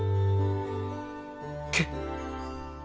け。